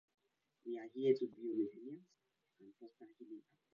A large utility complex is proposed to be developed.